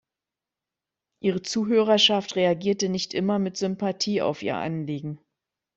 Ihre Zuhörerschaft reagierte nicht immer mit Sympathie auf ihr Anliegen.